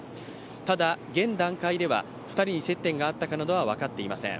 ただ、現段階では２人に接点があったかなどは分かっていません。